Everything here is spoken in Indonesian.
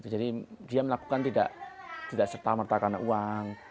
jadi dia melakukan tidak serta merta karena uang